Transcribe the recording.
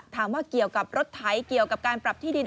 ถามว่าเกี่ยวกับรถไถเกี่ยวกับการปรับที่ดิน